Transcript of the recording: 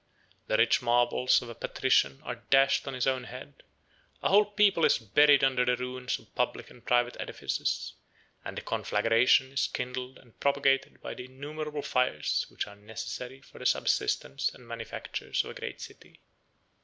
The rich marbles of a patrician are dashed on his own head: a whole people is buried under the ruins of public and private edifices, and the conflagration is kindled and propagated by the innumerable fires which are necessary for the subsistence and manufactures of a great city.